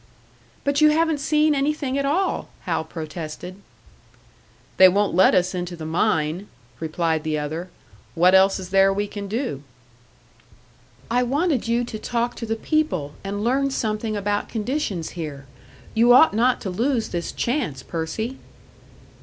"But you haven't seen anything at all!" Hal protested. "They won't let us into the mine," replied the other. "What else is there we can do?" "I wanted you to talk to the people and learn something about conditions here. You ought not to lose this chance, Percy!"